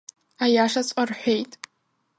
Аиашаҵәҟьа рҳәеит…